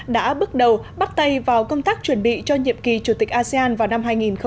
đã bước đầu bắt tay vào công tác chuẩn bị cho nhiệm kỳ chủ tịch asean vào năm hai nghìn hai mươi